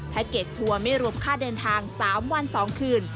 เกจทัวร์ไม่รวมค่าเดินทาง๓วัน๒คืน